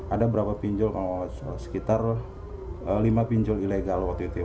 ada berapa pinjol kalau sekitar lima pinjol ilegal waktu itu ya